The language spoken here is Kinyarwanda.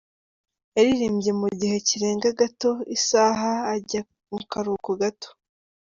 Yaririmbye mu gihe kirenga gato isaha ajya mu karuhuko gato.